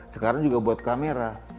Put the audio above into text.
sekarang juga buat kamera